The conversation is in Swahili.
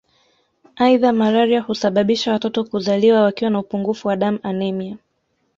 Aidha malaria husababisha watoto kuzaliwa wakiwa na upungufu wa damu anemia